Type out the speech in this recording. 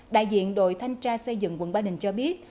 đại diện đội thanh tra xây dựng quận ba đình cho biết